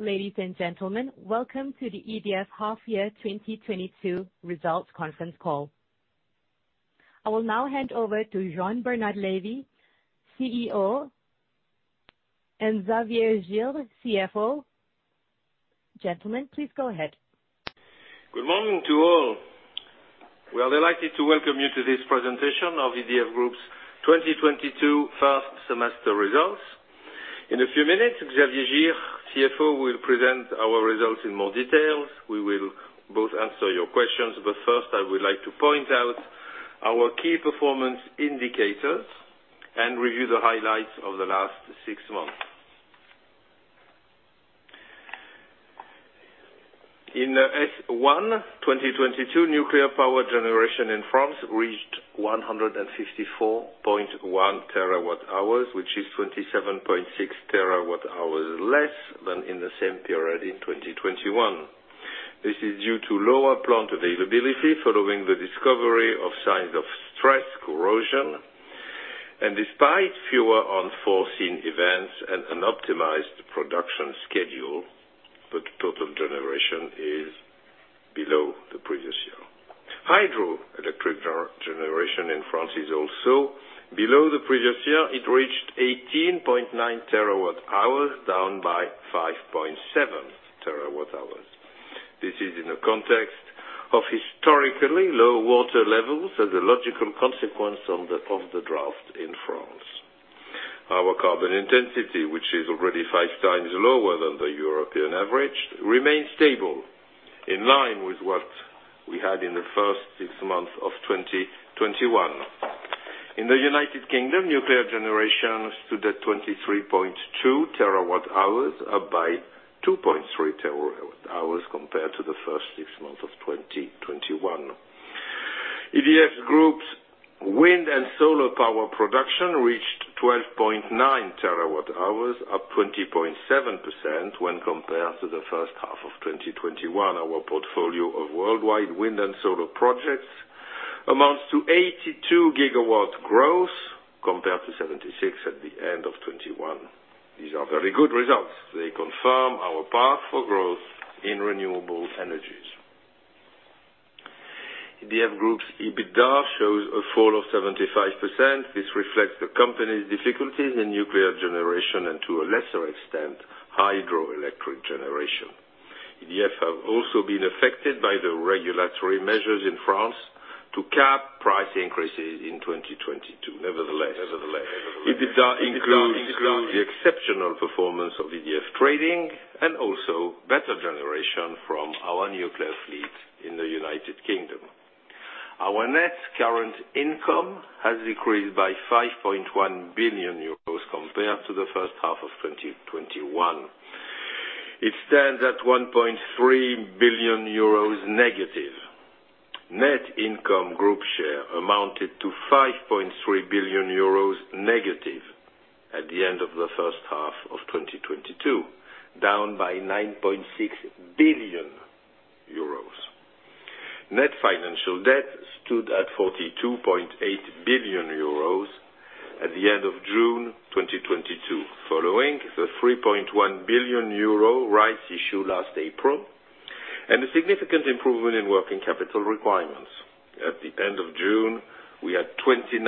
Ladies and gentlemen. Welcome to the EDF Half-Year 2022 Results Conference Call. I will now hand over to Jean-Bernard Lévy, CEO, and Xavier Girre, CFO. Gentlemen, please go ahead. Good morning to all. We are delighted to welcome you to this presentation of EDF Group's 2022 First Semester Results. In a few minutes, Xavier Girre, CFO, will present our results in more details. We will both answer your questions. First, I would like to point out our key performance indicators and review the highlights of the last six months. In first half, 2022, nuclear power generation in France reached 154.1 TWh, which is 27.6 TWh less than in the same period in 2021. This is due to lower plant availability following the discovery of signs of stress corrosion. Despite fewer unforeseen events and an optimized production schedule, the total generation is below the previous year. Hydroelectric generation in France is also below the previous year. It reached 18.9 TWh, down by 5.7 TWh. This is in the context of historically low water levels as a logical consequence of the drought in France. Our carbon intensity, which is already 5x lower than the European average, remains stable in line with what we had in the first six months of 2021. In the United Kingdom, nuclear generation stood at 23.2 TWh, up by 2.3 TWh compared to the first six months of 2021. EDF Group's wind and solar power production reached 12.9 TWh, up 20.7% when compared to the first half of 2021. Our portfolio of worldwide wind and solar projects amounts to 82 GW growth compared to 76 GW at the end of 2021. These are very good results. They confirm our path for growth in renewable energies. EDF Group's EBITDA shows a fall of 75%. This reflects the company's difficulties in nuclear generation and, to a lesser extent, hydroelectric generation. EDF have also been affected by the regulatory measures in France to cap price increases in 2022. Nevertheless, EBITDA includes the exceptional performance of EDF Trading and also better generation from our nuclear fleet in the United Kingdom. Our net current income has decreased by 5.1 billion euros compared to the first half of 2021. It stands at -1.3 billion euros. Net income group share amounted to -5.3 billion euros at the end of the first half of 2022, down by 9.6 billion euros. Net financial debt stood at 42.8 billion euros at the end of June 2022, following the 3.1 billion euro rights issue last April and a significant improvement in working capital requirements. At the end of June, we had 29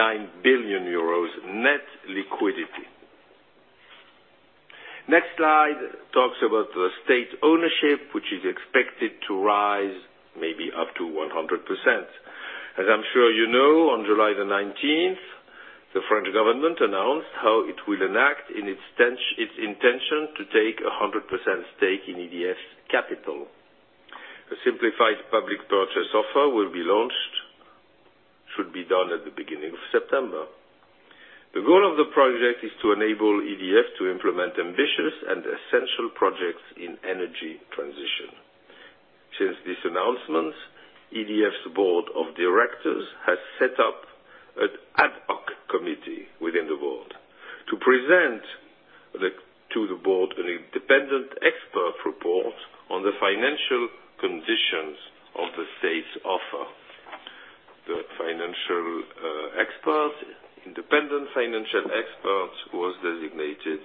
billion euros net liquidity. Next slide talks about the state ownership, which is expected to rise maybe up to 100%. As I'm sure you know, on 19 July 2022, the French government announced how it will enact its intention to take a 100% stake in EDF's capital. A simplified public purchase offer will be launched. Should be done at the beginning of September. The goal of the project is to enable EDF to implement ambitious and essential projects in energy transition. Since this announcement, EDF's board of directors has set up an ad hoc committee within the board to present to the board an independent expert report on the financial conditions of the state's offer. The independent financial expert was designated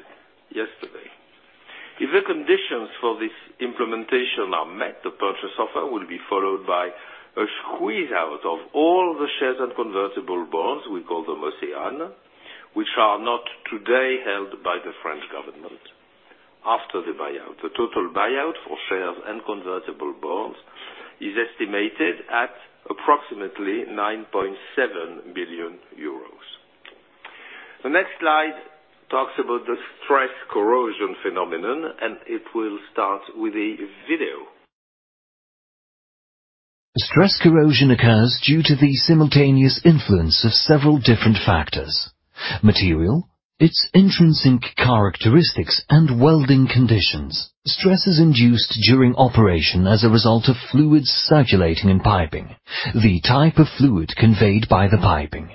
yesterday. If the conditions for this implementation are met, the purchase offer will be followed by a squeeze-out of all the shares and convertible bonds, we call them OCEANE, which are not today held by the French government after the buyout. The total buyout for shares and convertible bonds is estimated at approximately 9.7 billion euros. The next slide talks about the stress corrosion phenomenon, and it will start with a video. Stress corrosion occurs due to the simultaneous influence of several different factors. Material, its intrinsic characteristics, and welding conditions. Stresses induced during operation as a result of fluids circulating in piping, the type of fluid conveyed by the piping.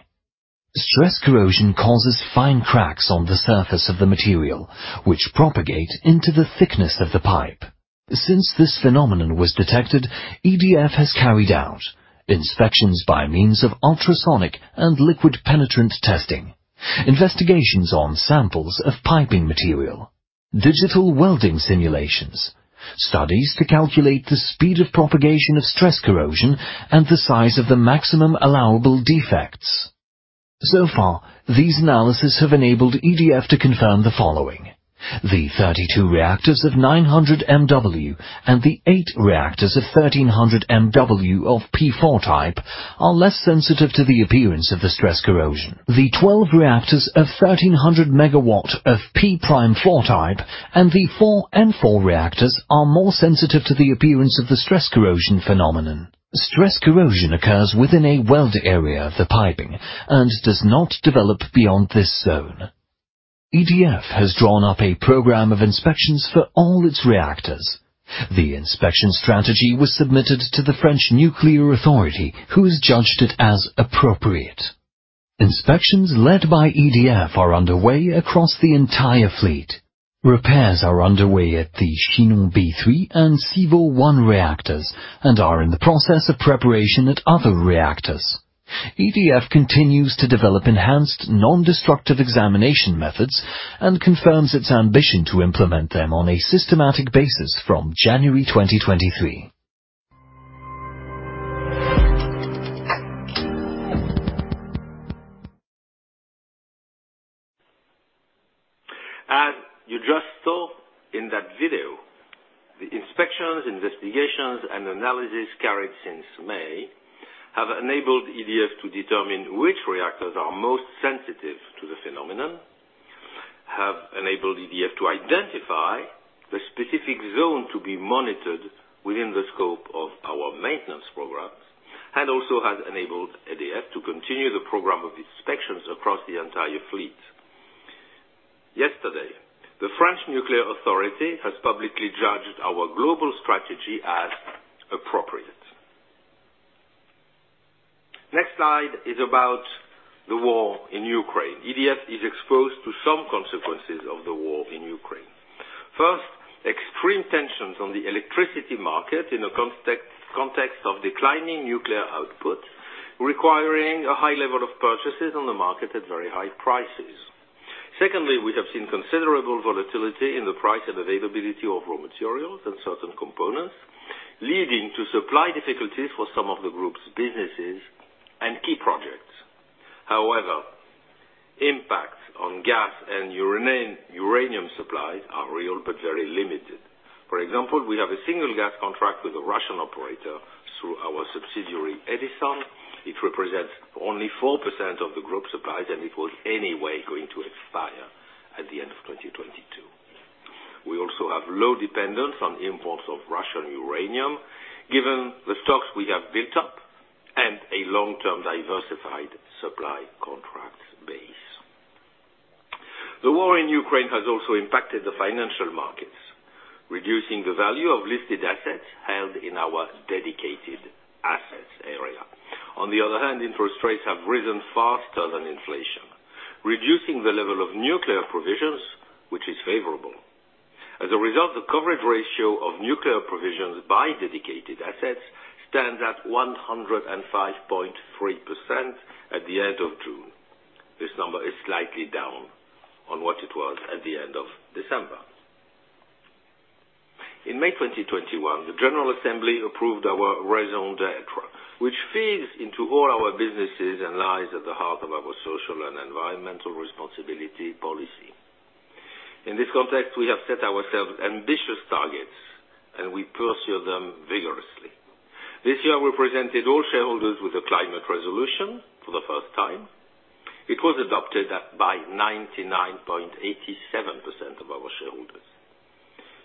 Stress corrosion causes fine cracks on the surface of the material, which propagate into the thickness of the pipe. Since this phenomenon was detected, EDF has carried out inspections by means of ultrasonic and liquid penetrant testing, investigations on samples of piping material, digital welding simulations, studies to calculate the speed of propagation of stress corrosion, and the size of the maximum allowable defects. So far, these analyses have enabled EDF to confirm the following. The 32 reactors of 900 MW and the 8 reactors of 1,300 MW of P4 type are less sensitive to the appearance of the stress corrosion. The 12 reactors of 1,300 MW of P'4 type and the four N4 reactors are more sensitive to the appearance of the stress corrosion phenomenon. Stress corrosion occurs within a weld area of the piping and does not develop beyond this zone. EDF has drawn up a program of inspections for all its reactors. The inspection strategy was submitted to the French Nuclear Safety Authority, who has judged it as appropriate. Inspections led by EDF are underway across the entire fleet. Repairs are underway at the Chinon B3 and Civaux 1 reactors and are in the process of preparation at other reactors. EDF continues to develop enhanced non-destructive examination methods and confirms its ambition to implement them on a systematic basis from January 2023. As you just saw in that video, the inspections, investigations, and analysis carried since May have enabled EDF to determine which reactors are most sensitive to the phenomenon, have enabled EDF to identify the specific zone to be monitored within the scope of our maintenance programs, and also has enabled EDF to continue the program of inspections across the entire fleet. Yesterday, the French Nuclear Safety Authority has publicly judged our global strategy as appropriate. Next slide is about the war in Ukraine. EDF is exposed to some consequences of the war in Ukraine. First, extreme tensions on the electricity market in a context of declining nuclear output, requiring a high level of purchases on the market at very high prices. Secondly, we have seen considerable volatility in the price and availability of raw materials and certain components, leading to supply difficulties for some of the group's businesses and key projects. However, impact on gas and uranium supply are real but very limited. For example, we have a single gas contract with a Russian operator through our subsidiary, Edison. It represents only 4% of the group's supplies, and it was anyway going to expire at the end of 2022. We also have low dependence on imports of Russian uranium, given the stocks we have built up and a long-term diversified supply contract base. The war in Ukraine has also impacted the financial markets, reducing the value of listed assets held in our dedicated assets area. On the other hand, interest rates have risen faster than inflation, reducing the level of nuclear provisions, which is favorable. As a result, the coverage ratio of nuclear provisions by dedicated assets stands at 105.3% at the end of June. This number is slightly down on what it was at the end of December. In May 2021, the General Assembly approved our raison d'être, which feeds into all our businesses and lies at the heart of our social and environmental responsibility policy. In this context, we have set ourselves ambitious targets, and we pursue them vigorously. This year, we presented all shareholders with a climate resolution for the first time. It was adopted by 99.87% of our shareholders.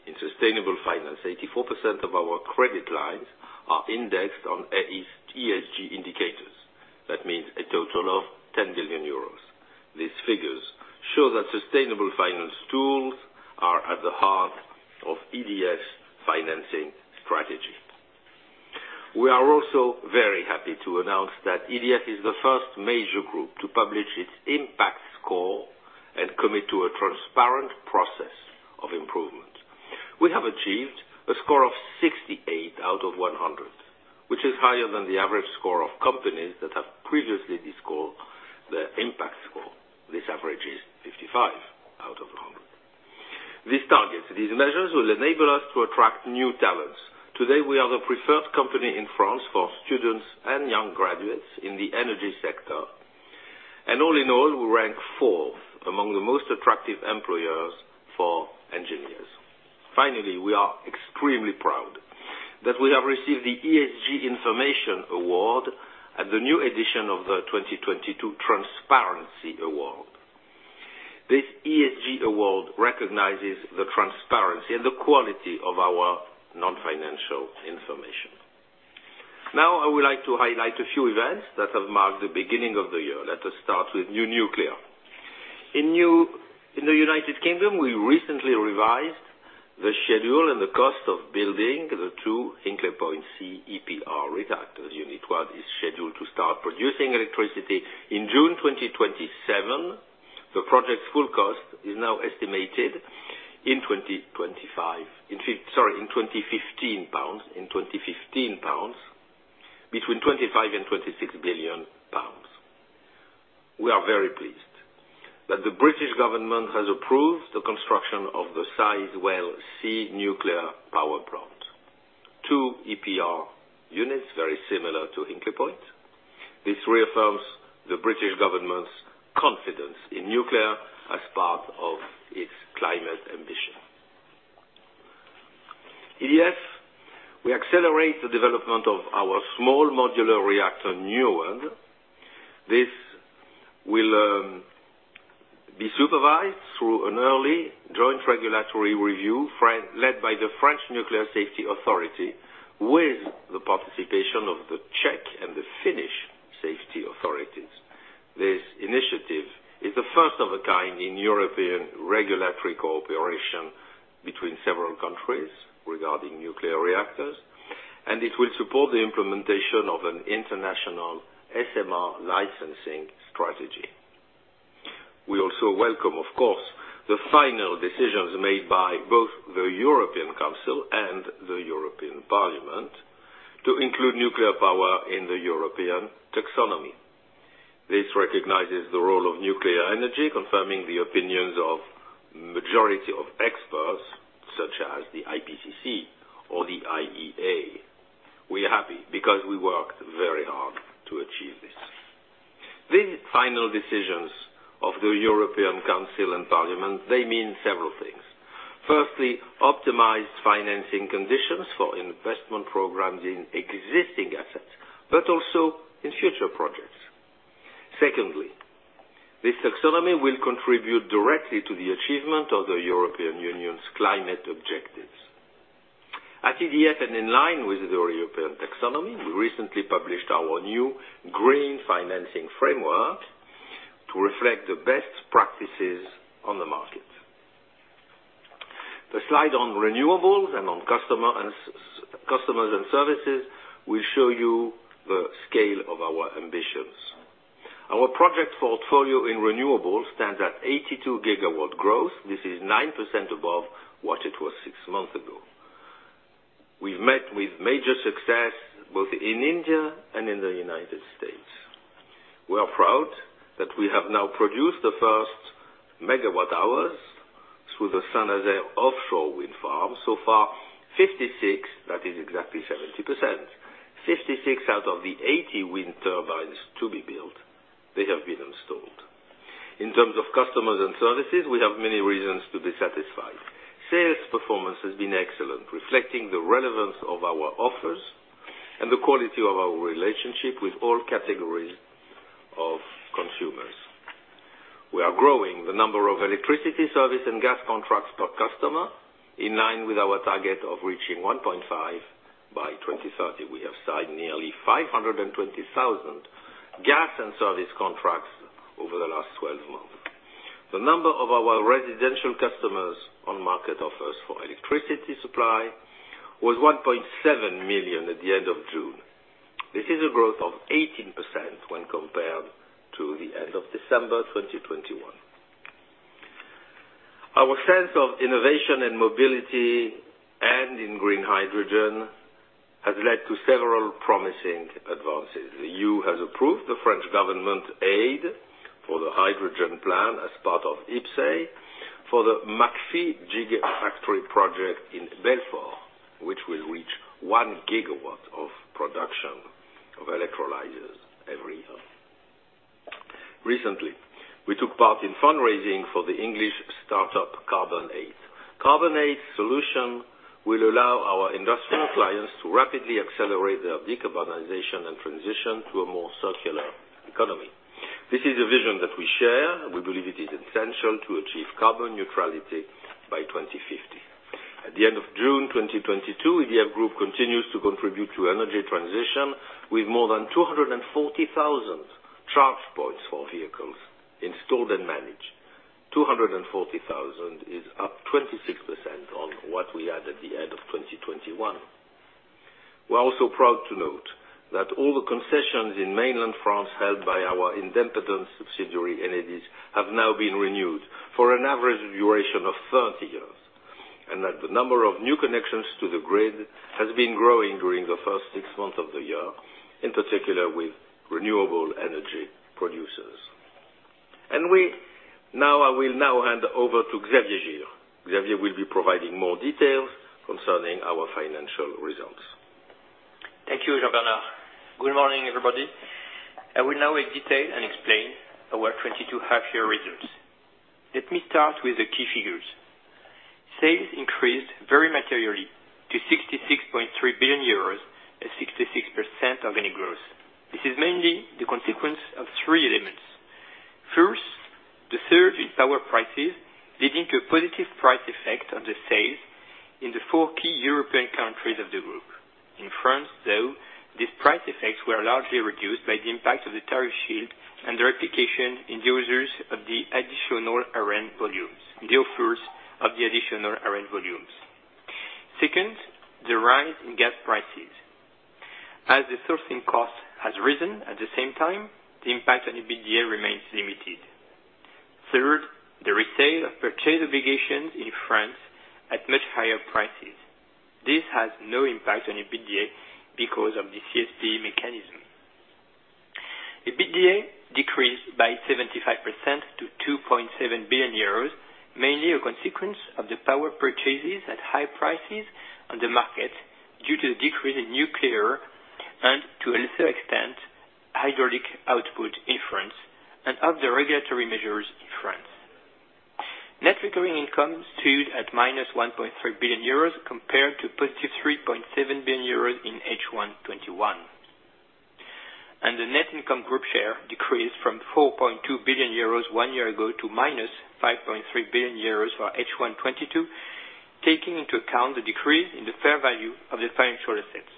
In sustainable finance, 84% of our credit lines are indexed on EDF's ESG indicators. That means a total of 10 billion euros. These figures show that sustainable finance tools are at the heart of EDF's financing strategy. We are also very happy to announce that EDF is the first major group to publish its Impact Score and commit to a transparent process of improvement. We have achieved a score of 68/100, which is higher than the average score of companies that have previously disclosed their Impact Score. This average is 55/100. These targets, these measures will enable us to attract new talents. Today, we are the preferred company in France for students and young graduates in the energy sector, and all in all, we rank fourth among the most attractive employers for engineers. Finally, we are extremely proud that we have received the ESG Information Award at the new edition of the 2022 Transparency Award. This ESG award recognizes the transparency and the quality of our non-financial information. Now, I would like to highlight a few events that have marked the beginning of the year. Let us start with new nuclear. In the United Kingdom, we recently revised the schedule and the cost of building the two Hinkley Point C EPR reactors. Unit one is scheduled to start producing electricity in June 2027. The project's full cost is now estimated in 2015 pounds, between 25 billion and 26 billion pounds. We are very pleased that the British government has approved the construction of the Sizewell C nuclear power plant. Two EPR units, very similar to Hinkley Point. This reaffirms the British government's confidence in nuclear as part of its climate ambition. Yes, we accelerate the development of our small modular reactor, NUWARD. This will be supervised through an early joint regulatory review led by the French Nuclear Safety Authority with the participation of the Czech and the Finnish safety authorities. This initiative is the first of a kind in European regulatory cooperation between several countries regarding nuclear reactors, and it will support the implementation of an international SMR licensing strategy. We also welcome, of course, the final decisions made by both the European Council and the European Parliament to include nuclear power in the European taxonomy. This recognizes the role of nuclear energy, confirming the opinions of majority of experts such as the IPCC or the IEA. We are happy because we worked very hard to achieve this. These final decisions of the European Council and Parliament, they mean several things. Firstly, optimized financing conditions for investment programs in existing assets, but also in future projects. Secondly, this taxonomy will contribute directly to the achievement of the European Union's climate objectives. At EDF and in line with the European taxonomy, we recently published our new Green Financing Framework to reflect the best practices on the market. The slide on renewables, customers and services will show you the scale of our ambitions. Our project portfolio in renewables stands at 82 GW growth. This is 9% above what it was six months ago. We've met with major success both in India and in the United States. We are proud that we have now produced the first megawatt-hours through the Saint-Nazaire offshore wind farm. So far, 56, that is exactly 70%. 56/80 wind turbines to be built, they have been installed. In terms of customers and services, we have many reasons to be satisfied. Sales performance has been excellent, reflecting the relevance of our offers and the quality of our relationship with all categories of consumers. We are growing the number of electricity service and gas contracts per customer, in line with our target of reaching 1.5 million by 2030. We have signed nearly 520,000 gas and service contracts over the last 12 months. The number of our residential customers on market offers for electricity supply was 1.7 million at the end of June. This is a growth of 18% when compared to the end of December 2021. Our sense of innovation and mobility and in green hydrogen has led to several promising advances. The EU has approved the French government aid for the hydrogen plan as part of IPCEI for the McPhy giga factory project in Belfort, which will reach 1 GW of production of electrolyzers every year. Recently, we took part in fundraising for the English startup Carbonaide. Carbonaide's solution will allow our industrial clients to rapidly accelerate their decarbonization and transition to a more circular economy. This is a vision that we share. We believe it is essential to achieve carbon neutrality by 2050. At the end of June 2022, EDF Group continues to contribute to energy transition with more than 240,000 charge points for vehicles installed and managed. 240,000 is up 26% on what we had at the end of 2021. We are also proud to note that all the concessions in mainland France held by our independent subsidiary, Enedis, have now been renewed for an average duration of 30 years, and that the number of new connections to the grid has been growing during the first six months of the year, in particular with renewable energy producers. Now, I will now hand over to Xavier Girre. Xavier will be providing more details concerning our financial results. Thank you, Jean-Bernard. Good morning, everybody. I will now go into detail and explain our 2022 half-year results. Let me start with the key figures. Sales increased very materially to 66.3 billion euros at 66% organic growth. This is mainly the consequence of three elements. First, the surge in power prices leading to a positive price effect on the sales in the four key European countries of the group. In France, though, these price effects were largely reduced by the impact of the tariff shield and in the offers of the additional ARENH volumes. Second, the rise in gas prices. As the sourcing cost has risen at the same time, the impact on EBITDA remains limited. Third, the resale of purchase obligation in France at much higher prices. This has no impact on EBITDA because of the CSPE mechanism. EBITDA decreased by 75% to 2.7 billion euros, mainly a consequence of the power purchases at high prices on the market due to the decrease in nuclear and to a lesser extent, hydraulic output in France and other regulatory measures in France. Net recurring income stood at -1.3 billion euros compared to 3.7 billion euros in first half 2021. The net income group share decreased from 4.2 billion euros one year ago to -5.3 billion euros for first half 2022, taking into account the decrease in the fair value of the financial assets.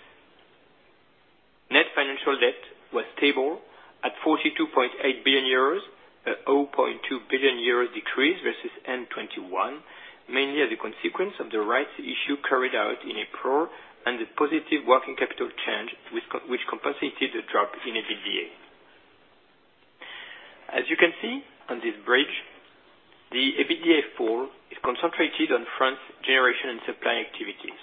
Net financial debt was stable at 42.8 billion euros, a 0.2 billion euros decrease versus first half 2021, mainly as a consequence of the rights issue carried out in April and the positive working capital change which compensated the drop in EBITDA. As you can see on this bridge, the EBITDA fall is concentrated on France generation and supply activities.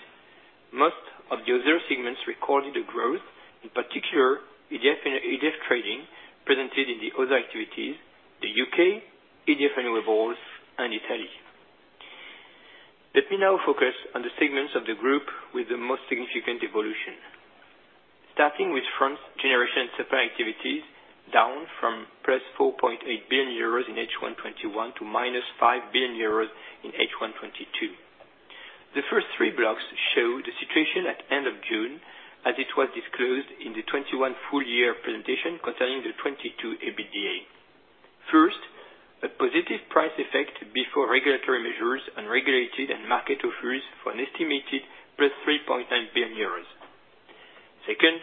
Most of the other segments recorded a growth, in particular, EDF Trading presented in the other activities, the UK, EDF Renewables, and Italy. Let me now focus on the segments of the group with the most significant evolution. Starting with France generation supply activities down from 4.8 billion euros in first half 2021 to -5 billion euros in first half 2022. The first three blocks show the situation at end of June as it was disclosed in the 2021 full year presentation concerning the 2022 EBITDA. First, a positive price effect before regulatory measures and regulated and market offers for an estimated 3.9 billion euros. Second,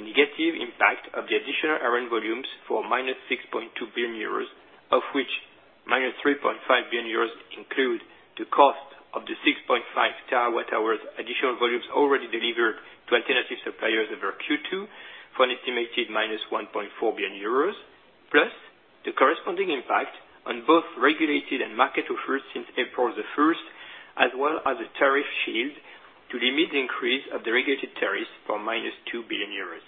the negative impact of the additional ARENH volumes for -6.2 billion euros, of which -3.5 billion euros include the cost of the 6.5 TWh additional volumes already delivered to alternative suppliers over second quarter for an estimated -1.4 billion euros, plus the corresponding impact on both regulated and market offers since 1 April 2022, as well as a tariff shield to limit the increase of the regulated tariffs for -2 billion euros.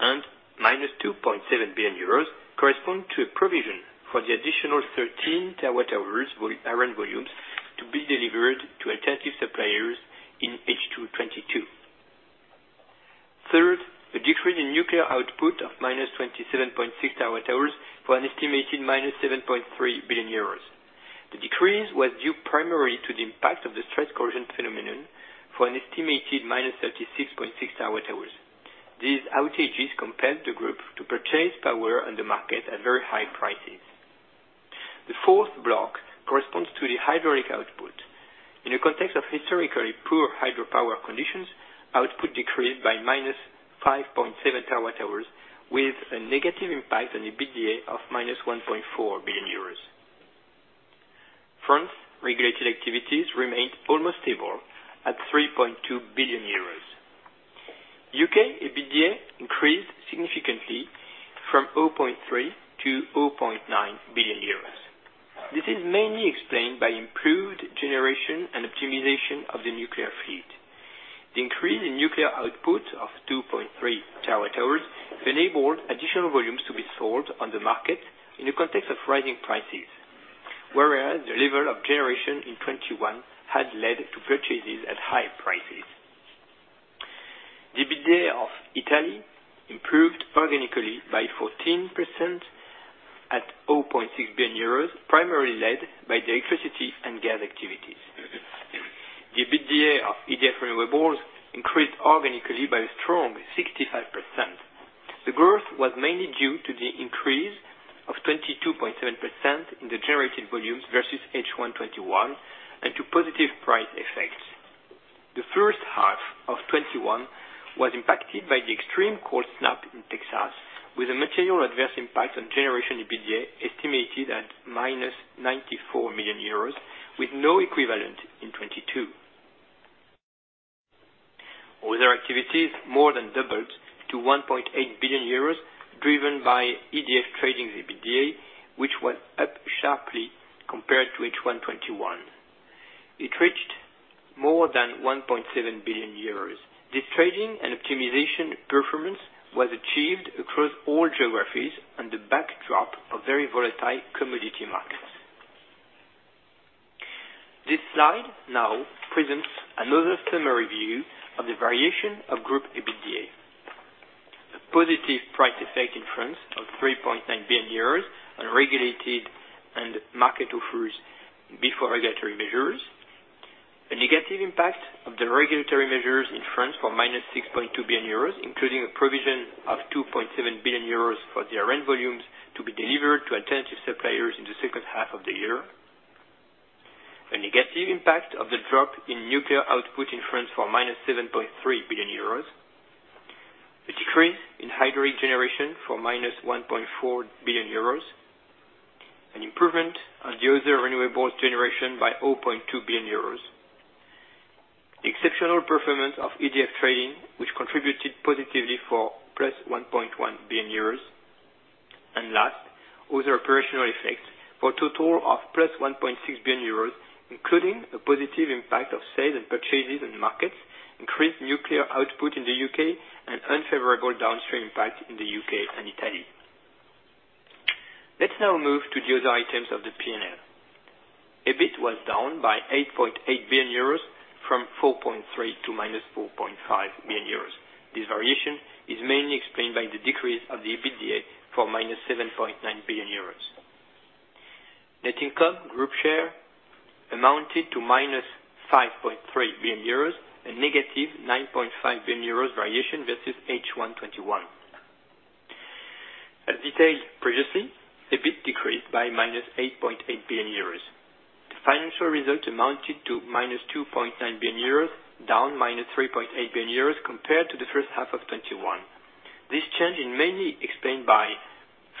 -2.7 billion euros correspond to a provision for the additional 13 TWh ARENH volumes to be delivered to alternative suppliers in second half 2022. Third, a decrease in nuclear output of -27.6 TWh for an estimated -7.3 billion euros. The decrease was due primarily to the impact of the stress corrosion phenomenon for an estimated -36.6 TWh. These outages compelled the group to purchase power on the market at very high prices. The fourth block corresponds to the hydraulic output. In a context of historically poor hydropower conditions, output decreased by -5.7 TWh with a negative impact on EBITDA of -1.4 billion euros. France regulated activities remained almost stable at 3.2 billion euros. UK EBITDA increased significantly from 0.3 to 0.9 billion. This is mainly explained by improved generation and optimization of the nuclear fleet. The increase in nuclear output of 2.3 TWh enabled additional volumes to be sold on the market in the context of rising prices. Whereas the level of generation in 2021 had led to purchases at high prices. The EBITDA of Edison improved organically by 14% at 0.6 billion euros, primarily led by the electricity and gas activities. The EBITDA of EDF Renewables increased organically by a strong 65%. The growth was mainly due to the increase of 22.7% in the generated volumes versus first half 2021, and to positive price effects. The first half of 2021 was impacted by the extreme cold snap in Texas, with a material adverse impact on generation EBITDA estimated at -94 million euros, with no equivalent in 2022. Other activities more than doubled to 1.8 billion euros, driven by EDF Trading EBITDA, which was up sharply compared to first half 2021. It reached more than 1.7 billion euros. This trading and optimization performance was achieved across all geographies on the backdrop of very volatile commodity markets. This slide now presents another summary view of the variation of group EBITDA. A positive price effect in France of 3.9 billion euros on regulated and market offers before regulatory measures. A negative impact of the regulatory measures in France for -6.2 billion euros, including a provision of 2.7 billion euros for the ARENH volumes to be delivered to alternative suppliers in the second half of the year. A negative impact of the drop in nuclear output in France for -7.3 billion euros. Hydro generation for -1.4 billion euros. An improvement on the other renewable generation by 0.2 billion euros. Exceptional performance of EDF Trading, which contributed positively for 1.1 billion euros. Last, other operational effects for a total of 1.6 billion euros, including a positive impact of sales and purchases in markets, increased nuclear output in the UK, and unfavorable downstream impact in the UK and Italy. Let's now move to the other items of the P&L. EBIT was down by 8.8 billion euros from 4.3 to -4.5 billion. This variation is mainly explained by the decrease of the EBITDA for -7.9 billion euros. Net income group share amounted to -5.3 billion euros and -9.5 billion euros variations versus first half 2021. As detailed previously, EBITDA decreased by -8.8 billion euros. The financial result amounted to -2.9 billion euros, down -3.8 billion euros compared to the first half of 2021. This change is mainly explained by,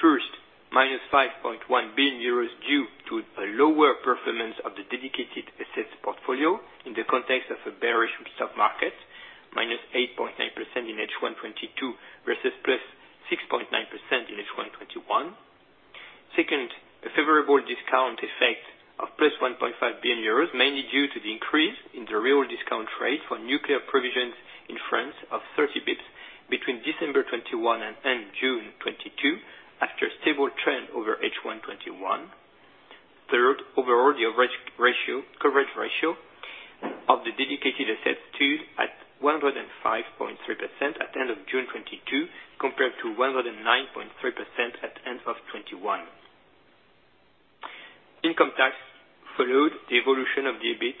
first, -5.1 billion euros due to a lower performance of the dedicated assets portfolio in the context of a bearish stock market, -8.9% in first half 2022 versus 6.9% in first half 2021. Second, a favorable discount effect of 1.5 billion euros, mainly due to the increase in the real discount rate for nuclear provisions in France of 30 BPS between December 2021 and June 2022 after a stable trend over first half 2021. Third, overall, the average ratio, coverage ratio of the dedicated assets too at 105.3% at the end of June 2022, compared to 109.3% at end of 2021. Income tax followed the evolution of the EBIT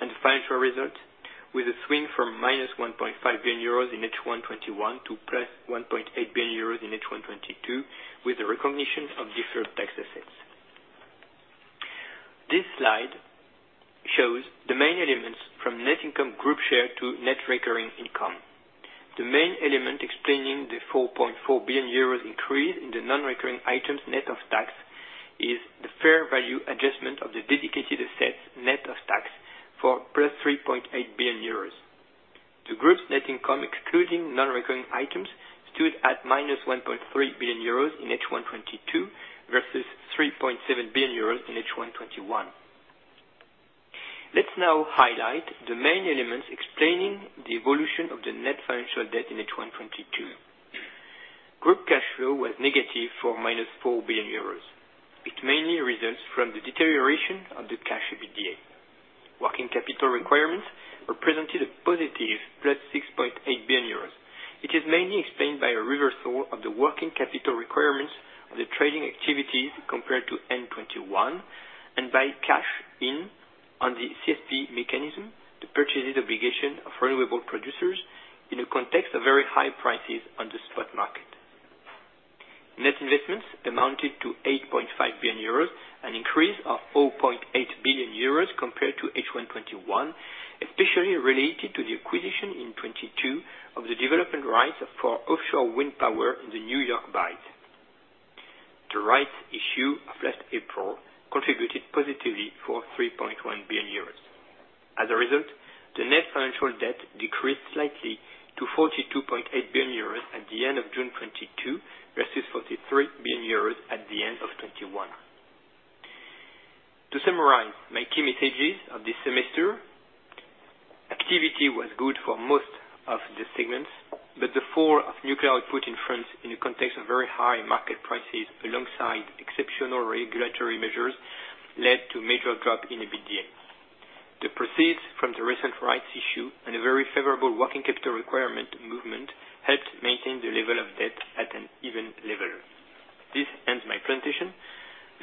and financial result with a swing from -1.5 billion euros in first half 2021 to 1.8 billion euros in first half 2022, with the recognition of deferred tax assets. This slide shows the main elements from net income group share to net recurring income. The main element explaining the 4.4 billion euros increase in the non-recurring items net of tax is the fair value adjustment of the dedicated assets net of tax for 3.8 billion euros. The group's net income, excluding non-recurring items, stood at -1.3 billion euros in first half 2022 versus EUR 3.7 billion in first half 2021. Let's now highlight the main elements explaining the evolution of the net financial debt in first half 2022. Group cash flow was negative for -4 billion euros. It mainly results from the deterioration of the cash EBITDA. Working capital requirements represented a 6.8 billion euros. It is mainly explained by a reversal of the working capital requirements of the trading activities compared to 2021, and by cash in on the CSPE mechanism, the purchases obligation of renewable producers in a context of very high prices on the spot market. Net investments amounted to 8.5 billion euros, an increase of 4.8 billion euros compared to first half 2021, especially related to the acquisition in 2022 of the development rights for offshore wind power in the New York Bight. The rights issue of last April contributed positively for 3.1 billion euros. As a result, the net financial debt decreased slightly to 42.8 billion euros at the end of June 2022 versus 43 billion euros at the end of 2021. To summarize my key messages of this semester, activity was good for most of the segments, but the fall of nuclear output in France in the context of very high market prices alongside exceptional regulatory measures led to a major drop in EBITDA. The proceeds from the recent rights issue and a very favorable working capital requirement movement helped maintain the level of debt at an even level. This ends my presentation.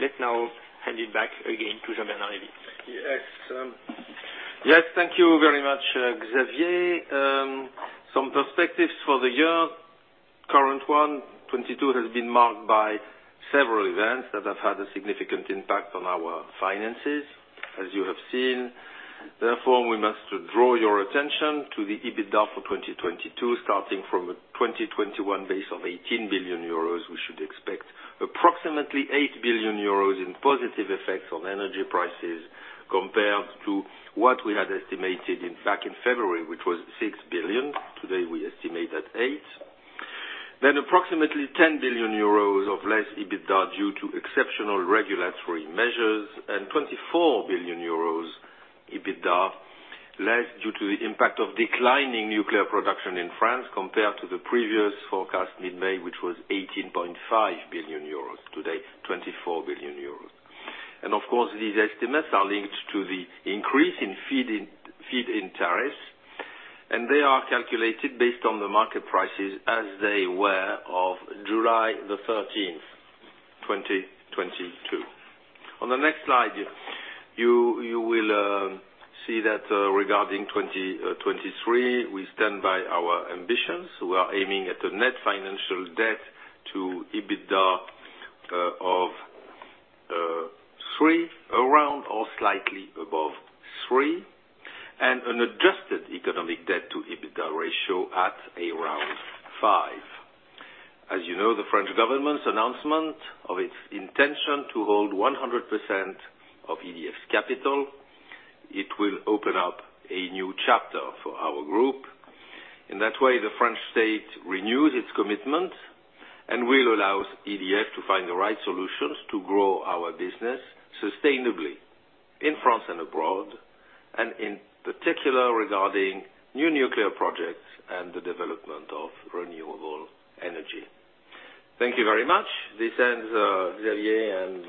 Let's now hand it back again to Jean-Bernard Lévy. Yes. Thank you very much, Xavier. Some perspectives for the year. Current 2022 has been marked by several events that have had a significant impact on our finances, as you have seen. Therefore, we must draw your attention to the EBITDA for 2022, starting from a 2021 base of 18 billion euros. We should expect approximately 8 billion euros in positive effects on energy prices compared to what we had estimated back in February, which was 6 billion. Today, we estimate at eight. Approximately 10 billion euros of less EBITDA due to exceptional regulatory measures, and 24 billion euros EBITDA less due to the impact of declining nuclear production in France compared to the previous forecast mid-May, which was 18.5 billion euros, today, 24 billion euros. Of course, these estimates are linked to the increase in feed-in tariffs, and they are calculated based on the market prices as they were of 13 July 2022. On the next slide, you will see that, regarding 2023, we stand by our ambitions. We are aiming at a net financial debt to EBITDA of slightly above 3x, and an adjusted economic debt to EBITDA ratio at around 5x. As you know, the French government's announcement of its intention to hold 100% of EDF's capital, it will open up a new chapter for our group. In that way, the French state renews its commitment and will allow EDF to find the right solutions to grow our business sustainably in France and abroad, and in particular regarding new nuclear projects and the development of renewable energy. Thank you very much. This ends Xavier and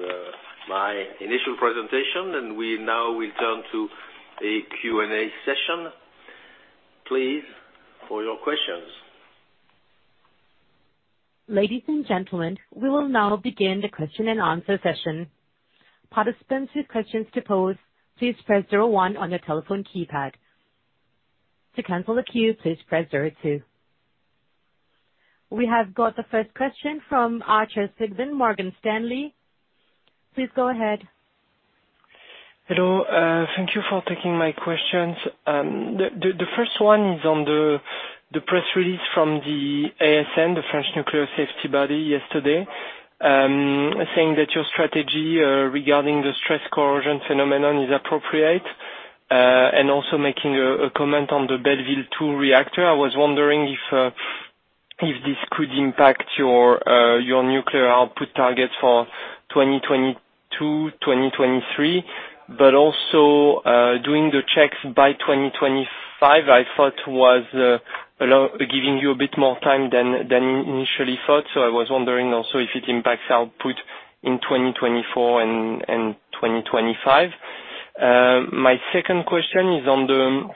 my initial presentation, and we now will turn to a Q&A session, please, for your questions. Ladies and gentlemen, we will now begin the question-and-answer session. Participants with questions to pose, please press zero one on your telephone keypad. To cancel the queue, please press zero two. We have got the first question from Arthur Sitbon, Morgan Stanley. Please go ahead. Hello. Thank you for taking my questions. The first one is on the press release from the ASN, the French nuclear safety body yesterday, saying that your strategy regarding the stress corrosion phenomenon is appropriate, and also making a comment on the Belleville 2 reactor. I was wondering if this could impact your nuclear output targets for 2022, 2023, but also doing the checks by 2025, I thought was allowing you a bit more time than initially thought. I was wondering also if it impacts output in 2024 and 2025. My second question is on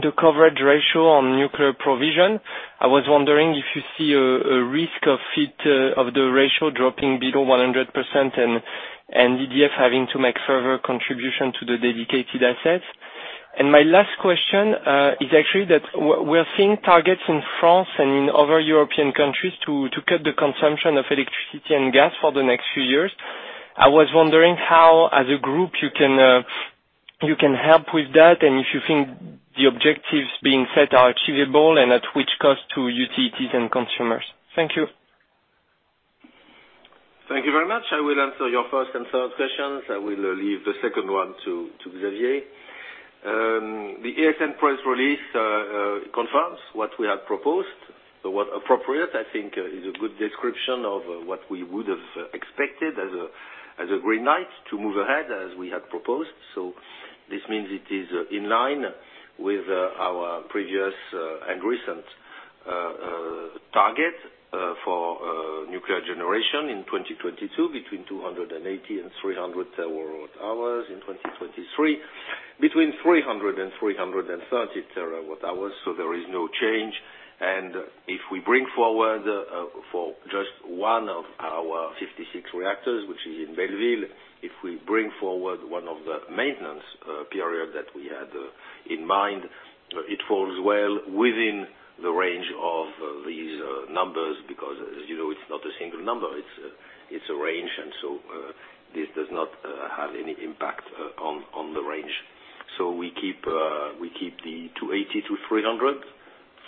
the coverage ratio on nuclear provision. I was wondering if you see a risk of the ratio dropping below 100% and EDF having to make further contribution to the dedicated assets. My last question is actually that we're seeing targets in France and in other European countries to cut the consumption of electricity and gas for the next few years. I was wondering how, as a group, you can help with that, and if you think the objectives being set are achievable and at which cost to utilities and consumers. Thank you. Thank you very much. I will answer your first and third questions. I will leave the second one to Xavier Girre. The ASN press release confirms what we had proposed. I think is a good description of what we would have expected as a green light to move ahead as we had proposed. This means it is in line with our previous and recent target for nuclear generation in 2022, between 280 TWh and 300 TWh. In 2023, between 300 TWh and 330 TWh, there is no change. If we bring forward for just one of our 56 reactors, which is in Belleville, one of the maintenance periods that we had in mind, it falls well within the range of these numbers, because as you know, it's not a single number, it's a range. This does not have any impact on the range. We keep the 280 TWh to 300 TWh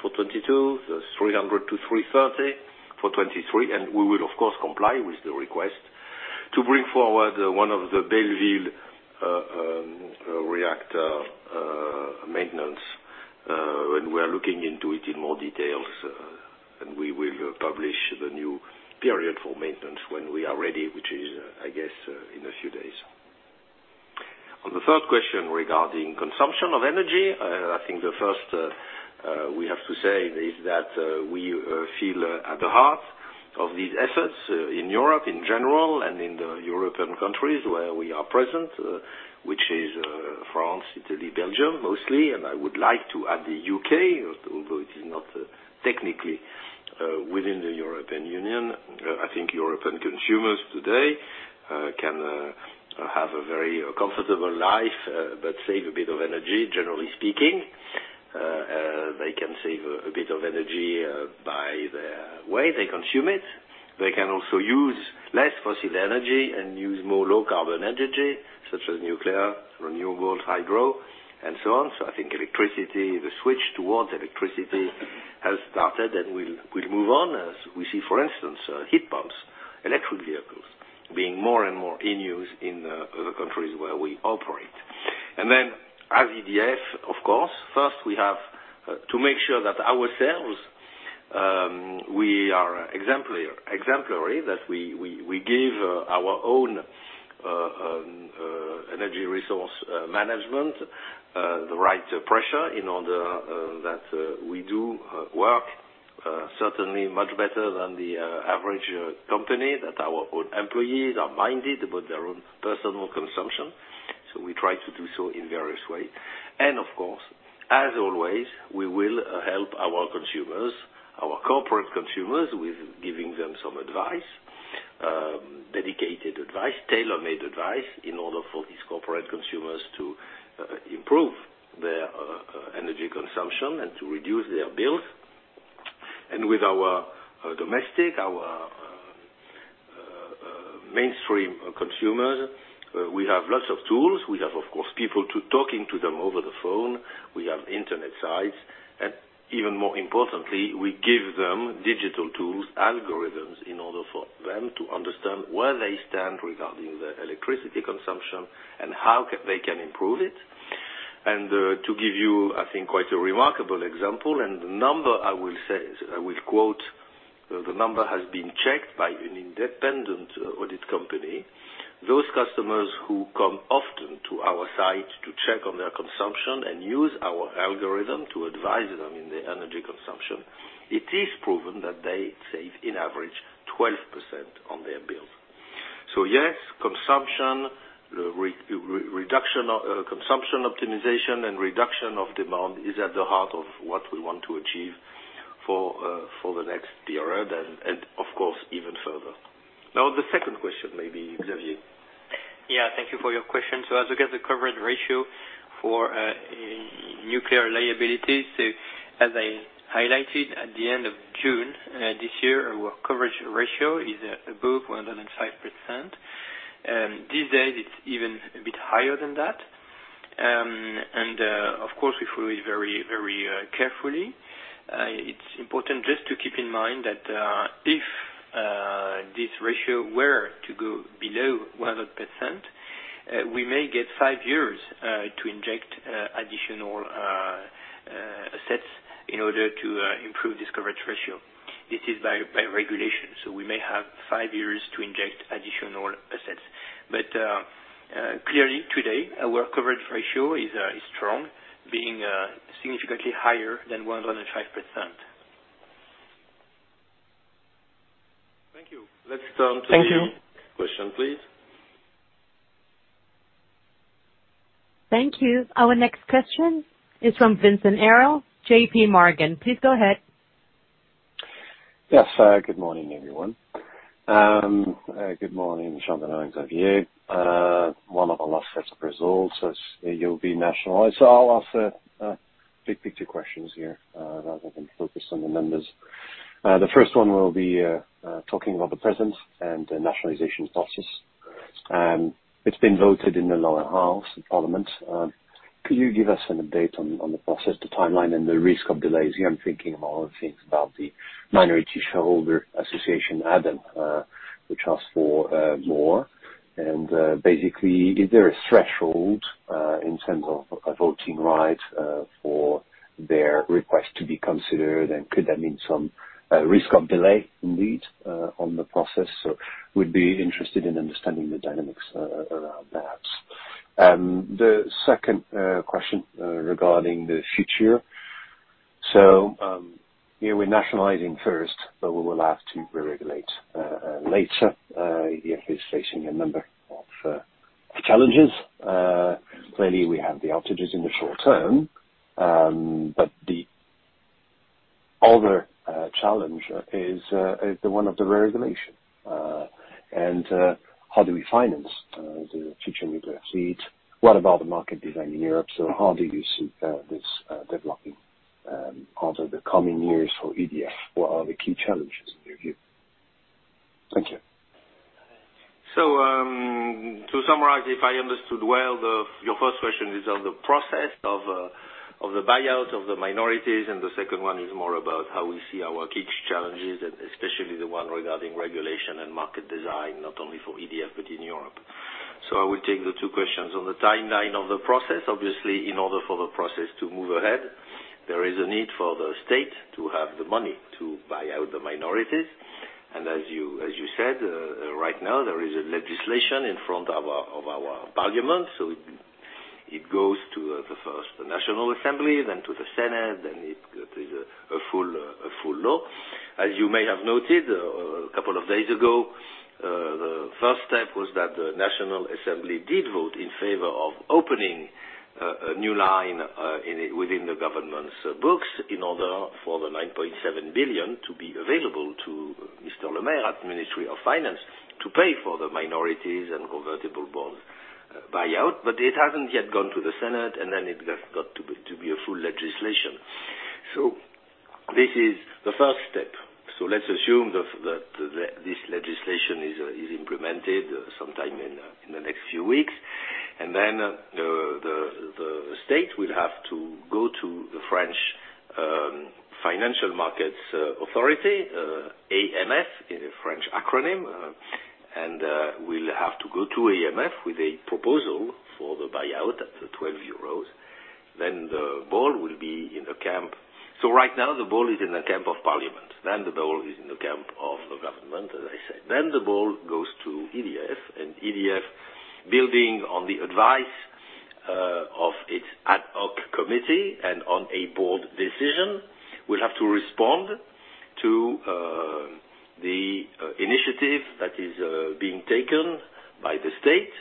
for 2022, the 300 TWh to 330 TWh for 2023. We will of course comply with the request to bring forward one of the Belleville reactor maintenance, and we are looking into it in more details. We will publish the new period for maintenance when we are ready, which is, I guess, in a few days. On the third question regarding consumption of energy, I think the first we have to say is that we feel at the heart of these efforts in Europe in general and in the European countries where we are present, which is France, Italy, Belgium, mostly, and I would like to add the UK, although it is not technically within the European Union. I think European consumers today can have a very comfortable life but save a bit of energy, generally speaking. They can save a bit of energy by the way they consume it. They can also use less fossil energy and use more low carbon energy, such as nuclear, renewables, hydro and so on. I think electricity, the switch towards electricity has started and will move on as we see, for instance, heat pumps, electric vehicles being more and more in use in other countries where we operate. Then at EDF, of course, first we have to make sure that ourselves we are exemplary, that we give our own energy resource management the right pressure in order that we do work certainly much better than the average company, that our own employees are minded about their own personal consumption. We try to do so in various way. Of course, as always, we will help our consumers, our corporate consumers, with giving them some advice, dedicated advice, tailor-made advice in order for these corporate consumers to improve their consumption and to reduce their bills. With our domestic, our mainstream consumers, we have lots of tools. We have, of course, people talking to them over the phone, we have internet sites, and even more importantly, we give them digital tools, algorithms, in order for them to understand where they stand regarding their electricity consumption and how they can improve it. To give you, I think, quite a remarkable example, and the number I will say is, I will quote, the number has been checked by an independent audit company. Those customers who come often to our site to check on their consumption and use our algorithm to advise them in their energy consumption, it is proven that they save, on average, 12% on their bill. Yes, consumption reduction of consumption optimization and reduction of demand is at the heart of what we want to achieve for the next year, and of course, even further. Now, the second question maybe, Xavier. Yeah, thank you for your question. As we get the coverage ratio for nuclear liabilities, as I highlighted at the end of June this year, our coverage ratio is above 105%. These days it's even a bit higher than that. Of course, we follow it very, very carefully. It's important just to keep in mind that if this ratio were to go below 100%, we may get five years to inject additional assets in order to improve this coverage ratio. This is by regulation, so we may have five years to inject additional assets. Clearly, today, our coverage ratio is strong, being significantly higher than 105%. Thank you. Let's turn to the... Thank you... Next question, please. Thank you. Our next question is from Vincent Ayral, JPMorgan. Please go ahead. Yes. Good morning, everyone. Good morning, Jean-Bernard and Xavier. One of the last sets of results, as you'll be nationalized. I'll ask big picture questions here rather than focus on the numbers. The first one will be talking about the press and the nationalization process. It's been voted in the lower house, the parliament. Could you give us an update on the process, the timeline and the risk of delays? Here I'm thinking of all the things about the minority shareholder association, ADAM, which asks for more. Basically, is there a threshold in terms of a voting right for their request to be considered? Could that mean some risk of delay indeed on the process? Would be interested in understanding the dynamics around that. The second question regarding the future. Here we're nationalizing first, but we will have to reregulate later. EDF is facing a number of challenges. Clearly we have the outages in the short term. The other challenge is the one of the regulation. How do we finance the future nuclear fleet? What about the market design in Europe? How do you see this developing over the coming years for EDF? What are the key challenges in your view? Thank you. To summarize, if I understood well, your first question is on the process of the buyout of the minorities, and the second one is more about how we see our key challenges, and especially the one regarding regulation and market design, not only for EDF, but in Europe. I will take the two questions. On the timeline of the process, obviously, in order for the process to move ahead, there is a need for the state to have the money to buy out the minorities. As you said, right now there is a legislation in front of our parliament, so it goes to the first National Assembly, then to the Senate, then it is a full law. As you may have noted a couple of days ago, the first step was that the National Assembly did vote in favor of opening a new line within the government's books in order for the 9.7 billion to be available to Mr. Le Maire at Ministry of the Economy and Finance to pay for the minorities and convertible bonds buyout. It hasn't yet gone to the Senate, and then it has got to be a full legislation. This is the first step. Let's assume this legislation is implemented sometime in the next few weeks. Then the state will have to go to the French Financial Markets Authority. AMF is a French acronym. We'll have to go to AMF with a proposal for the buyout at EUR 12. Right now the ball is in the camp of parliament, then the ball is in the camp of the government, as I said. The ball goes to EDF. EDF, building on the advice of its ad hoc committee and on a board decision, will have to respond to the initiative that is being taken by the state,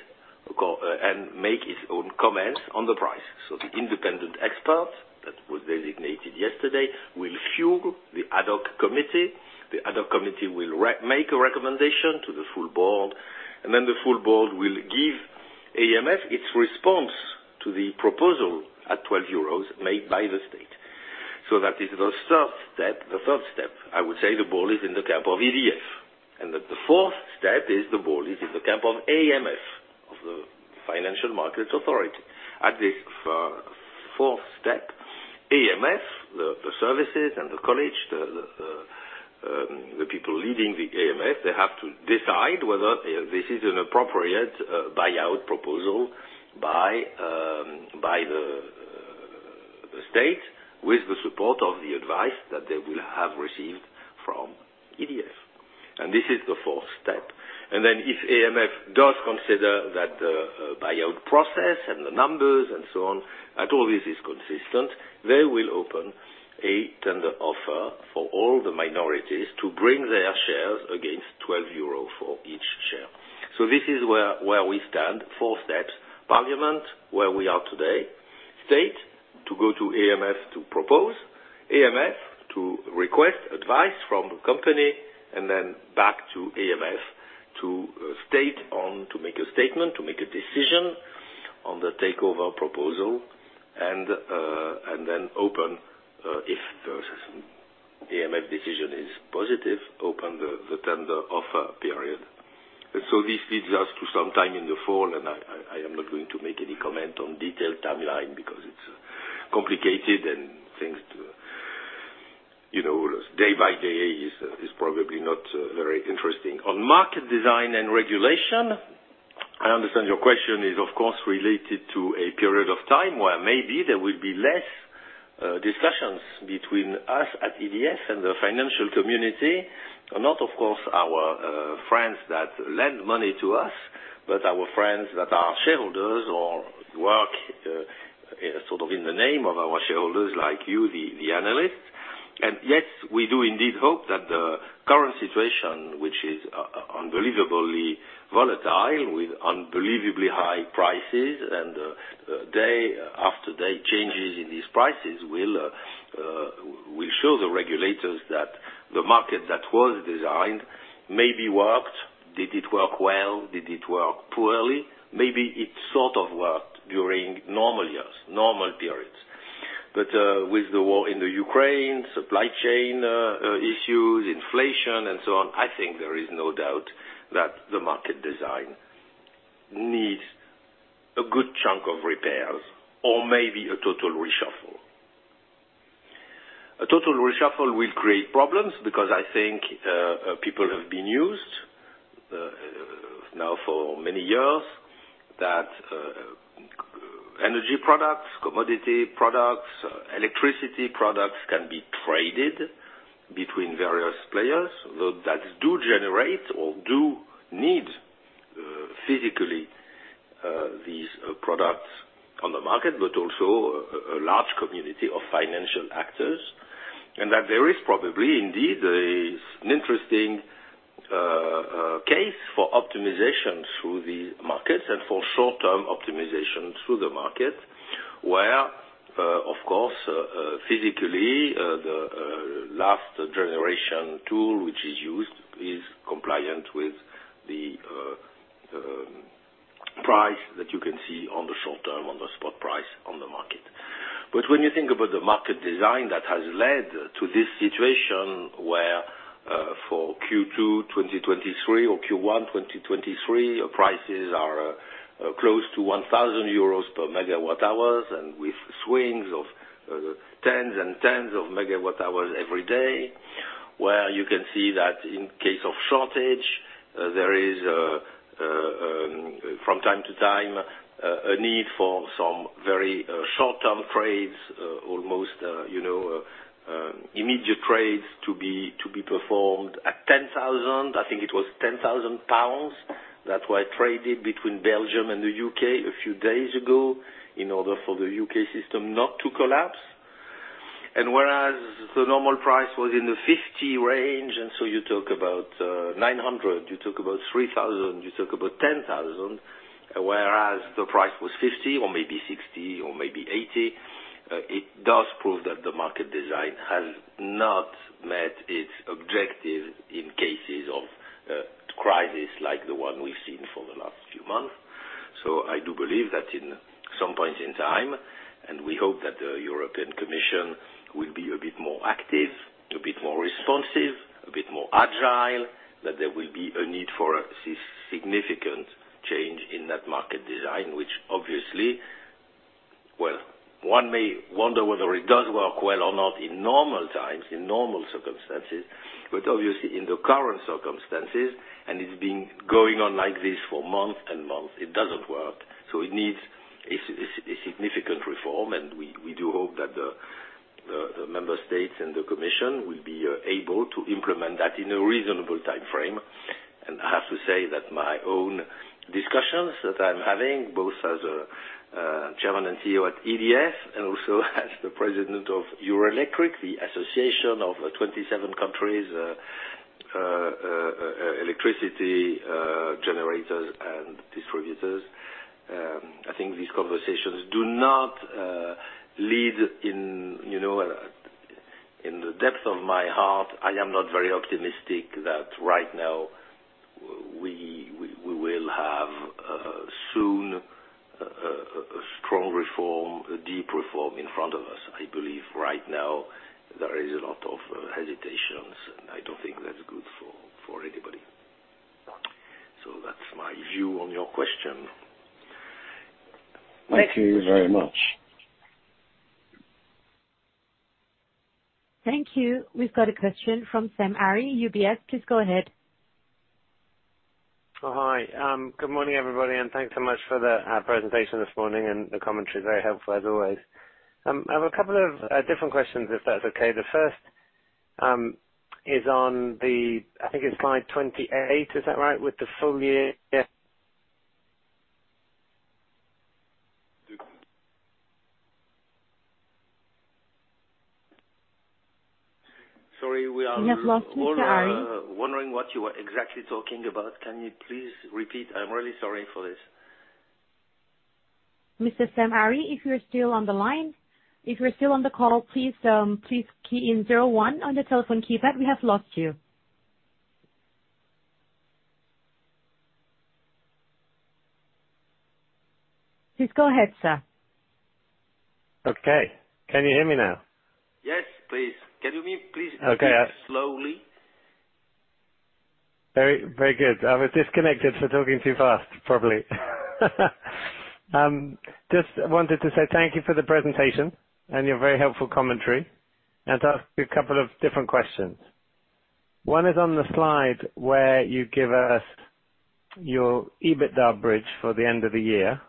and make its own comments on the price. The independent expert that was designated yesterday will fuel the ad hoc committee. The ad hoc committee will remake a recommendation to the full board, and then the full board will give to the AMF its response to the proposal at 12 euros made by the state. That is the third step. I would say the ball is in the camp of EDF. That the fourth step is the ball is in the camp of AMF, of the Autorité des Marchés Financiers. At this fourth step, AMF, the people leading the AMF, they have to decide whether this is an appropriate buyout proposal by the state with the support of the advice that they will have received from EDF. This is the fourth step. If AMF does consider that the buyout process and the numbers and so on, that all this is consistent, they will open a tender offer for all the minorities to bring their shares against 12 euro for each share. This is where we stand, four steps. Parliament, where we are today. State to go to AMF to propose. AMF to request advice from the company and then back to AMF to make a statement, to make a decision on the takeover proposal and then open, if the AMF decision is positive, open the tender offer period. This leads us to sometime in the fall, and I am not going to make any comment on detailed timeline because it's complicated and things, you know, day by day is probably not very interesting. On market design and regulation, I understand your question is of course related to a period of time where maybe there will be less discussions between us at EDF and the financial community, and not of course our friends that lend money to us, but our friends that are shareholders or work sort of in the name of our shareholders like you, the analysts. Yes, we do indeed hope that the current situation, which is unbelievably volatile with unbelievably high prices and day after day changes in these prices will show the regulators that the market that was designed maybe worked. Did it work well? Did it work poorly? Maybe it sort of worked during normal years, normal periods. With the war in the Ukraine, supply chain issues, inflation and so on, I think there is no doubt that the market design needs a good chunk of repairs or maybe a total reshuffle. A total reshuffle will create problems because I think people have been used now for many years that energy products, commodity products, electricity products can be traded between various players that do generate or do need physically these products on the market, but also a large community of financial actors. That there is probably indeed an interesting case for optimization through the markets and for short-term optimization through the market, where, of course, physically, the last generation tool which is used is compliant with the price that you can see on the short term, on the spot price on the market. When you think about the market design that has led to this situation where, for second quarter 2023 or first quarter 2023, prices are close to 1,000 euros/MWh, and with swings of 100 MWh every day, where you can see that in case of shortage, there is from time to time a need for some very short-term trades, almost you know immediate trades to be performed at 10,000, I think it was 10,000 pounds, that were traded between Belgium and the UK a few days ago in order for the UK system not to collapse. Whereas the normal price was in the 50 range, and so you talk about 900, you talk about 3,000, you talk about 10,000, whereas the price was 50 or maybe 60 or maybe 80, it does prove that the market design has not met its objective in cases of crisis like the one we've seen for the last few months. I do believe that in some point in time, and we hope that the European Commission will be a bit more active, a bit more responsive, a bit more agile, that there will be a need for a significant change in that market design, which obviously, well, one may wonder whether it does work well or not in normal times, in normal circumstances, but obviously in the current circumstances, and it's been going on like this for months and months, it doesn't work. It needs a significant reform, and we do hope that the member states and the commission will be able to implement that in a reasonable time frame. I have to say that my own discussions that I'm having, both as Chairman and CEO at EDF and also as the president of Eurelectric, the association of 27 countries' electricity generators and distributors. I think these conversations do not. In the depth of my heart, I am not very optimistic that right now we will have soon a strong reform, a deep reform in front of us. I believe right now there is a lot of hesitations, and I don't think that's good for anybody. That's my view on your question. Thank you very much. Thank you. We've got a question from Sam Arie, UBS. Please go ahead. Oh, hi. Good morning, everybody, and thanks so much for the presentation this morning and the commentary. Very helpful as always. I have a couple of different questions, if that's okay. The first is on the, I think it's slide 28. Is that right? With the full year... Sorry... We have lost Mr. Arie... All, wondering what you were exactly talking about. Can you please repeat? I'm really sorry for this. Mr. Sam Arie, if you're still on the line, please key in zero one on the telephone keypad. We have lost you. Please go ahead, sir. Okay. Can you hear me now? Yes, please. Can we please... [inaudible] Okay. A bit slowly. Very, very good. I was disconnected for talking too fast, probably. Just wanted to say thank you for the presentation and your very helpful commentary. Ask you a couple of different questions. One is on the slide where you give us your EBITDA bridge for the end of the year,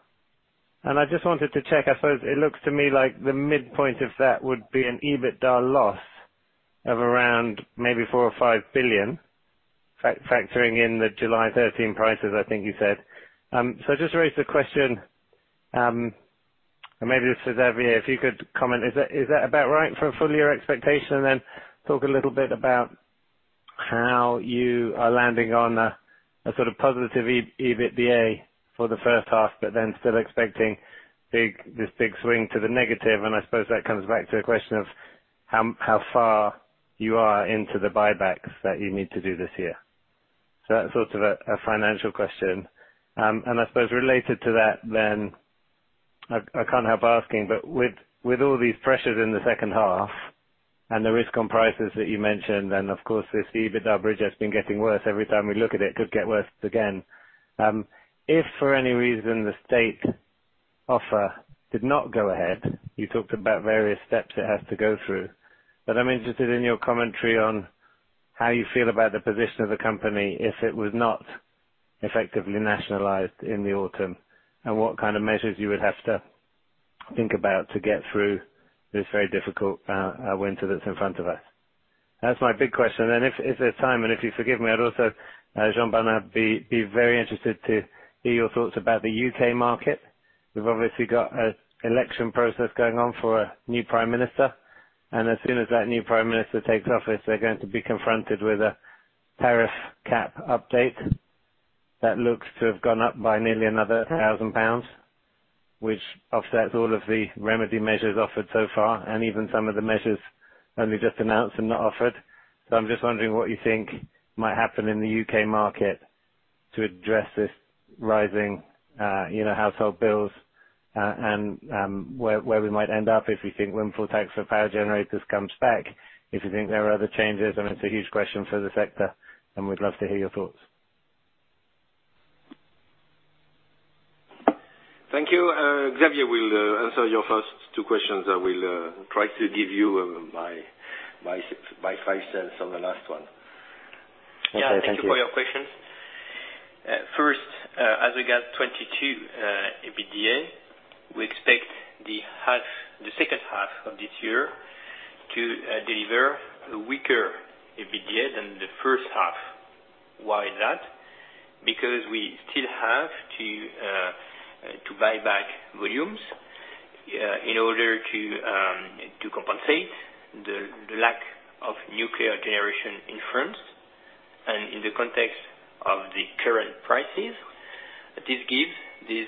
and I just wanted to check. I suppose it looks to me like the midpoint of that would be an EBITDA loss of around maybe 4 billion or 5 billion, factoring in the 13 July 2022 prices, I think you said. So just to raise the question, and maybe this is Xavier, if you could comment, is that about right for full year expectation? Then talk a little bit about how you are landing on a sort of positive EBITDA for the first half, but then still expecting this big swing to the negative. I suppose that comes back to a question of how far you are into the buybacks that you need to do this year. That's sort of a financial question. I suppose related to that, I can't help asking, but with all these pressures in the second half and the risk on prices that you mentioned, and of course this EBITDA bridge has been getting worse every time we look at it, could get worse again. If for any reason the state offer did not go ahead, you talked about various steps it has to go through, but I'm interested in your commentary on how you feel about the position of the company if it was not effectively nationalized in the autumn, and what kind of measures you would have to think about to get through this very difficult winter that's in front of us. That's my big question. Then if there's time, and if you forgive me, I'd also, Jean-Bernard, be very interested to hear your thoughts about the UK market. We've obviously got an election process going on for a new prime minister, and as soon as that new prime minister takes office, they're going to be confronted with a tariff cap update that looks to have gone up by nearly another 1,000 pounds, which offsets all of the remedy measures offered so far, and even some of the measures only just announced and not offered. I'm just wondering what you think might happen in the UK market to address this rising, you know, household bills, and where we might end up if you think windfall tax for power generators comes back, if you think there are other changes, I mean, it's a huge question for the sector, and we'd love to hear your thoughts. Thank you. Xavier will answer your first two questions. I will try to give you my 0.05 On the last one. Okay. Thank you... Yeah. Thank you for your questions. First, as we got 2022 EBITDA, we expect the second half of this year to deliver a weaker EBITDA than the first half. Why is that? Because we still have to buy back volumes in order to compensate the lack of nuclear generation in France. In the context of the current prices, this gives this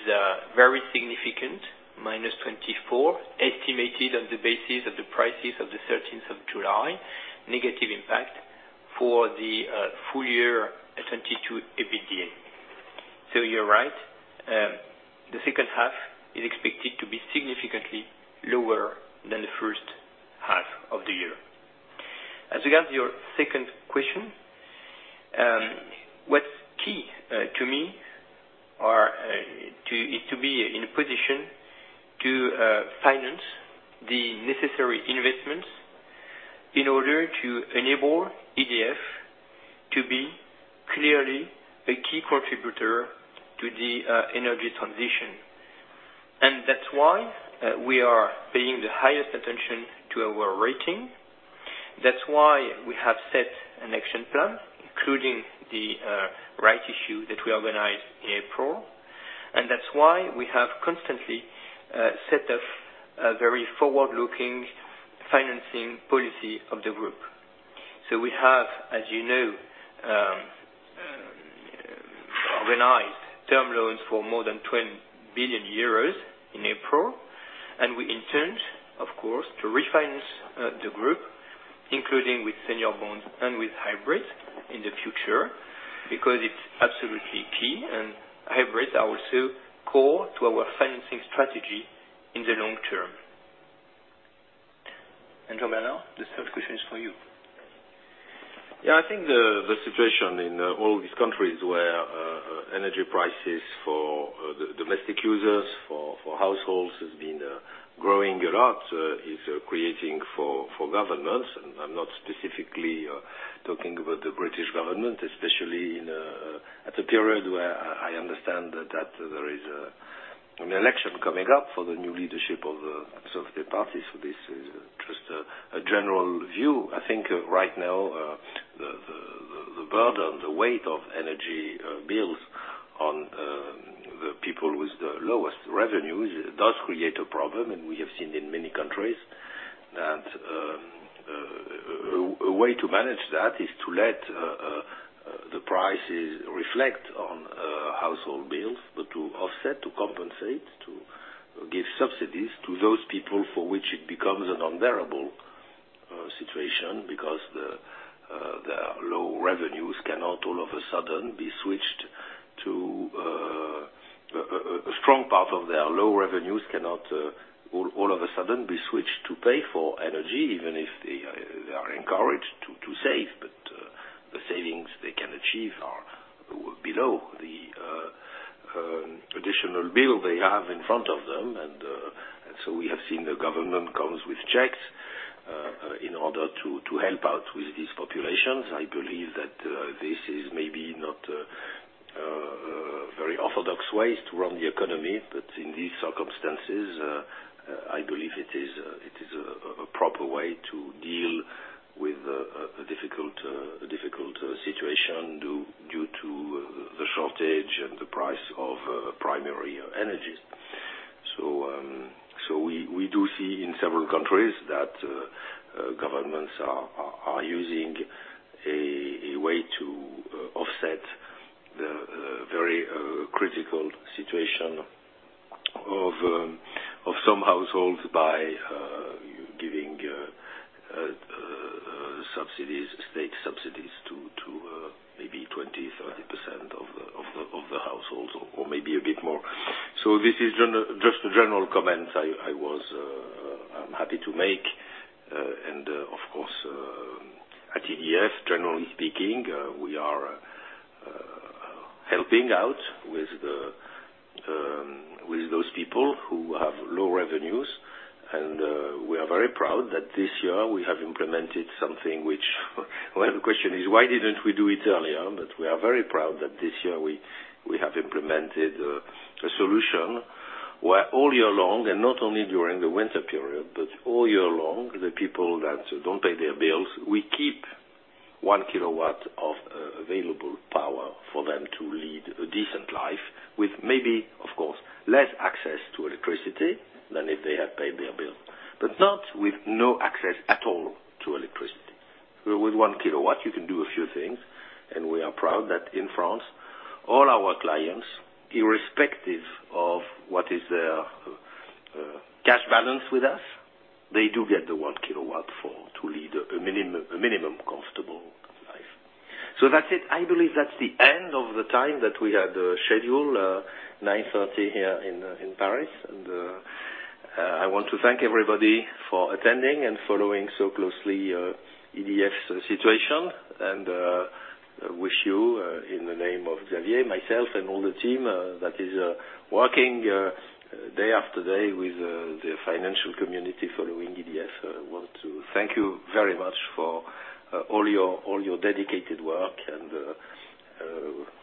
very significant -24 estimated on the basis of the prices of the 13 July 2022, negative impact for the full year 2022 EBITDA. You're right. The second half is expected to be significantly lower than the first half of the year. As regards your second question, what's key to me is to be in a position to finance the necessary investments in order to enable EDF to be clearly a key contributor to the energy transition. That's why we are paying the highest attention to our rating. That's why we have set an action plan, including the rights issue that we organized in April. That's why we have constantly set a very forward-looking financing policy of the group. We have, as you know, organize term loans for more than 20 billion euros in April. We intend, of course, to refinance the group, including with senior bonds and with hybrids in the future, because it's absolutely key. Hybrids are also core to our financing strategy in the long term. Jean-Bernard, this third question is for you. Yeah, I think the situation in all these countries where energy prices for the domestic users, for households has been growing a lot is creating for governments. I'm not specifically talking about the British government, especially at a period where I understand that there is an election coming up for the new leadership of the Conservative Party. This is just a general view. I think right now the burden, the weight of energy bills on the people with the lowest revenues does create a problem, and we have seen in many countries. A way to manage that is to let the prices reflect on household bills, but to offset, to compensate, to give subsidies to those people for which it becomes an unbearable situation. Because a strong part of their low revenues cannot all of a sudden be switched to pay for energy, even if they are encouraged to save. The savings they can achieve are below the traditional bill they have in front of them. We have seen the government comes with checks in order to help out with these populations. I believe that this is maybe not a very orthodox way to run the economy. In these circumstances, I believe it is a proper way to deal with a difficult situation due to the shortage and the price of primary energies. We do see in several countries that governments are using a way to offset the very critical situation of some households by giving state subsidies to maybe 20% to 30% of the households or maybe a bit more. This is just a general comment I was happy to make. Of course, at EDF, generally speaking, we are helping out with those people who have low revenues. We are very proud that this year we have implemented something which. Well, the question is, why didn't we do it earlier? We are very proud that this year we have implemented a solution where all year long, and not only during the winter period, but all year long, the people that don't pay their bills, we keep 1 kW of available power for them to lead a decent life with maybe, of course, less access to electricity than if they had paid their bill. Not with no access at all to electricity. With 1 kW, you can do a few things, and we are proud that in France, all our clients, irrespective of what their cash balance with us, they do get the 1 kW to lead a minimum comfortable life. That's it. I believe that's the end of the time that we had scheduled 9:30AM here in Paris. I want to thank everybody for attending and following so closely EDF's situation and wish you in the name of Xavier, myself, and all the team that is working day after day with the financial community following EDF. I want to thank you very much for all your dedicated work.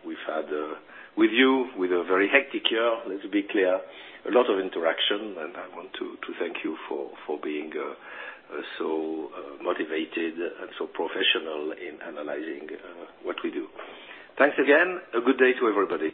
We've had with you a very hectic year, let's be clear, a lot of interaction, and I want to thank you for being so motivated and so professional in analyzing what we do. Thanks again. A good day to everybody.